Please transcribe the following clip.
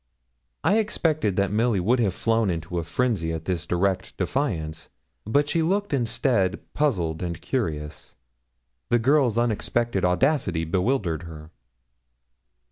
_' I expected that Milly would have flown into a frenzy at this direct defiance, but she looked instead puzzled and curious the girl's unexpected audacity bewildered her.